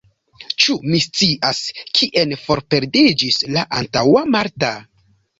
Ĉu mi scias, kien forperdiĝis la antaŭa Marta?